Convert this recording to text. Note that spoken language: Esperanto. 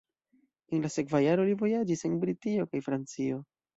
En la sekva jaro li vojaĝis en Britio kaj Francio.